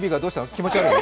気持ち悪いの？